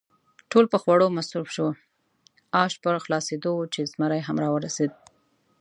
ټول په خوړو مصروف شوو، آش پر خلاصېدو ول چې زمري هم را ورسېد.